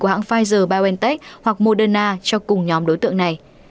của hãng pfizer biontech hoặc moderna cho cùng nhóm đối tượng này